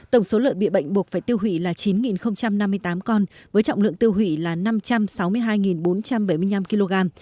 tổng số lợi bị bệnh buộc phải tiêu hủy là chín năm mươi tám con với trọng lượng tiêu hủy là năm trăm sáu mươi hai bốn trăm bảy mươi năm kg